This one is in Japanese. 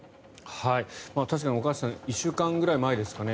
確かに岡安さん１週間ぐらい前ですかね